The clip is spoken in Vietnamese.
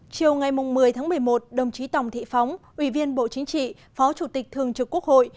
chiều ngày một mươi tháng một mươi một đồng chí tòng thị phóng ủy viên bộ chính trị phó chủ tịch thường trực quốc hội